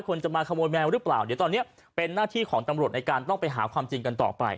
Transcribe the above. จะมาขโมยแมวหรือเปล่าเดี๋ยวตอนนี้เป็นหน้าที่ของตำรวจในการต้องไปหาความจริงกันต่อไป